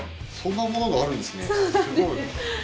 そんなものがあるんですね。